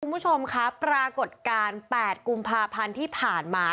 คุณผู้ชมครับปรากฏการณ์๘กุมภาพันธ์ที่ผ่านมา